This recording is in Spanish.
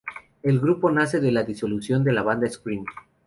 El grupo nace de la disolución de la banda Scream!